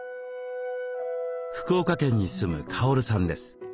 福岡県に住むカオルさんです。